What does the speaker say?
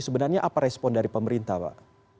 sebenarnya apa respon dari pemerintah pak